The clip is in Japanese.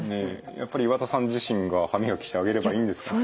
やっぱり岩田さん自身が歯磨きしてあげればいいんですかね。